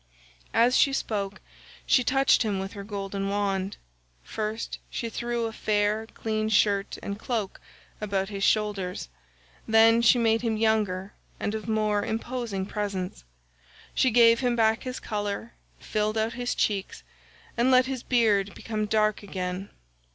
As she spoke she touched him with her golden wand. First she threw a fair clean shirt and cloak about his shoulders; then she made him younger and of more imposing presence; she gave him back his colour, filled out his cheeks, and let his beard become dark again.